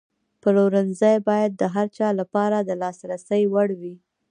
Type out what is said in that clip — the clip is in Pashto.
پلورنځی باید د هر چا لپاره د لاسرسي وړ وي.